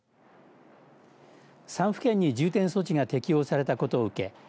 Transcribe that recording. ３府県に重点措置が適用されたことを受け